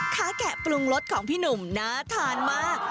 แกะปรุงรสของพี่หนุ่มน่าทานมาก